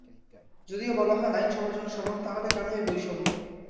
যদিও বলা হয় আইন সবার জন্য সমান, তাহলে কেন এই বৈষম্য?